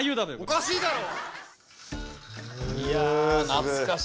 おかしいだろ！